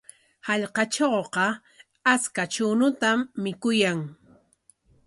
Hallqatrawqa achka chuñutam mikuyan.